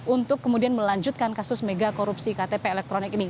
untuk kemudian melanjutkan kasus mega korupsi ktp elektronik ini